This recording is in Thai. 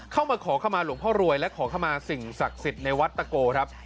เข้ามาขอขมาหลวงพ่อรวยและขอเข้ามาสิ่งศักดิ์สิทธิ์ในวัดตะโกครับ